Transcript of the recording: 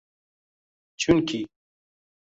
Chunki